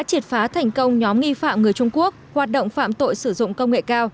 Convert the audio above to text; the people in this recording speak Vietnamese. triệt phá thành công nhóm nghi phạm người trung quốc hoạt động phạm tội sử dụng công nghệ cao